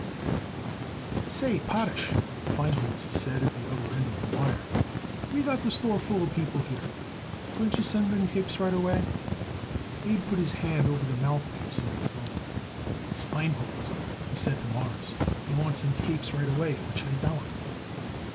"Say, Potash," Feinholz said at the other end of the wire, "we got the store full of people here. Couldn't you send up them capes right away?" Abe put his hand over the mouthpiece of the 'phone. "It's Feinholz," he said to Morris. "He wants them capes right away. What shall I tell him?"